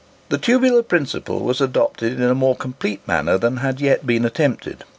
The tubular principle was adopted in a more complete manner than had yet been attempted.